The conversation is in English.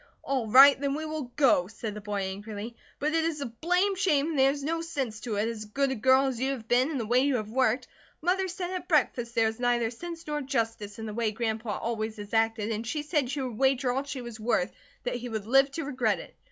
"All right, then we will go," said the boy, angrily. "But it is a blame shame and there is no sense to it, as good a girl as you have been, and the way you have worked. Mother said at breakfast there was neither sense nor justice in the way Grandpa always has acted and she said she would wager all she was worth that he would live to regret it.